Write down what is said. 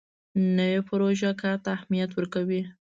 نوې پروژه کار ته اهمیت ورکوي